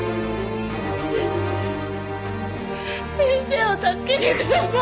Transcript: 先生を助けてください。